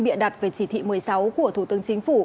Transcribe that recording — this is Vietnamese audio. bịa đặt về chỉ thị một mươi sáu của thủ tướng chính phủ